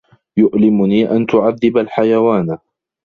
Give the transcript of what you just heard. يُؤْلِمُني أَنْ تُعَذِّبَ الْحَيَوَانَ.